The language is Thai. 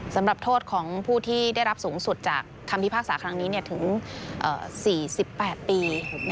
สำหรับโทษของผู้ที่ได้รับสูงสุดจากคำพิพากษาครั้งนี้ถึง๔๘ปี